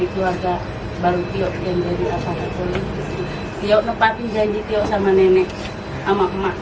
itu aja baru tiup yang jadi apa yang boleh yuk nepatin janji tio sama nenek sama emak